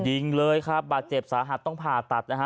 ยิงเลยครับบาดเจ็บสาหัสต้องผ่าตัดนะฮะ